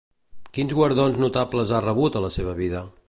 Quins guardons notables ha rebut a la seva vida?